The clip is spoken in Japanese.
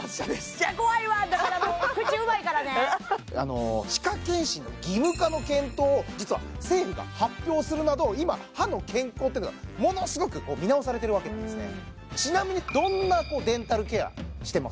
いや怖いわだからもう口うまいからね歯科健診の義務化の検討を実は政府が発表するなど今歯の健康っていうのがものすごく見直されてるわけなんですね